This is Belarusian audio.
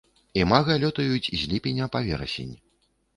Імага лётаюць з ліпеня па верасень.